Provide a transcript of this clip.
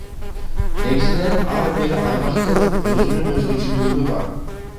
Негизинен ар бир аймактын өзүнүн өзгөчөлүгү бар.